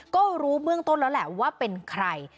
ก็รู้เบื้องต้นแล้วแหละว่าเป็นใคร